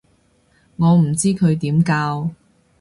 我唔知佢點教